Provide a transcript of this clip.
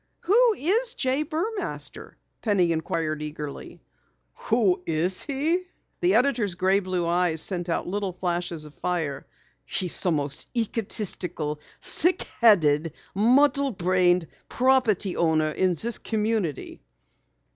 "Who is J. Burmaster?" Penny inquired eagerly. "Who is he?" The editor's gray blue eyes sent out little flashes of fire. "He's the most egotistical, thick headed, muddle brained property owner in this community."